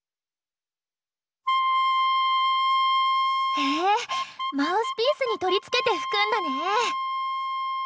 へえマウスピースに取り付けて吹くんだね！